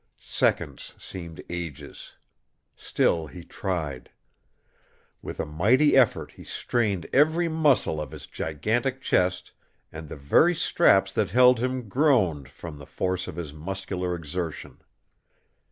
Seconds seemed ages. Still he tried. With a mighty effort he strained every muscle of his gigantic chest and the very straps that held him groaned from the force of his muscular exertion.